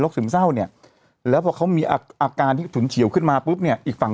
ซึมเศร้าเนี่ยแล้วพอเขามีอาการที่ฉุนเฉียวขึ้นมาปุ๊บเนี่ยอีกฝั่ง